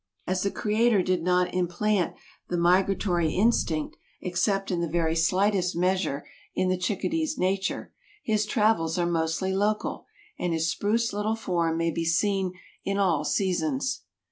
As the Creator did not implant the migratory instinct, except in the very slightest measure in the chickadee's nature, his travels are mostly local and his spruce little form may be seen in all seasons.